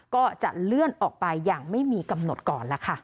ก็จะเลื่อนออกไปอย่างไม่มีกำหนดก่อนล่ะค่ะ